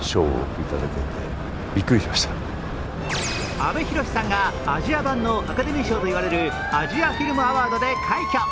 阿部寛さんがアジア版のアカデミー賞といわれるアジア・フィルム・アワードで快挙。